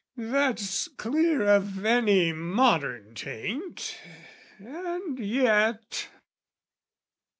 That's clear of any modern taint: and yet...